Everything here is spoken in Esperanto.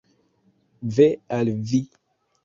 Ve al vi!